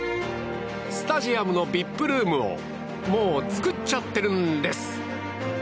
スタジアムのＶＩＰルームをもう作っちゃってるんです。